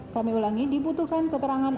kami ulangi dibutuhkan keterangan